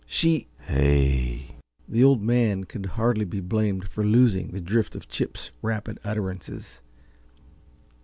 She " "Hey?" The Old Man could hardly be blamed for losing the drift of Chip's rapid utterances.